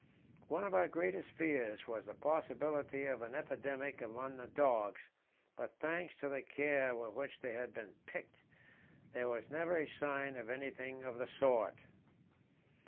One of our greatest fears was the possibility of an epidemic among the dogs, but thanks to the care with which they had been picked, there was never a sign of anything of the sort.